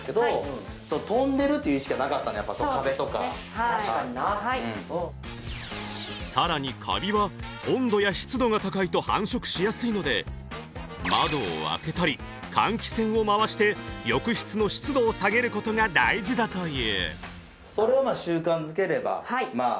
はい確かになさらにカビは温度や湿度が高いと繁殖しやすいので窓を開けたり換気扇を回して浴室の湿度を下げることが大事だというそうですね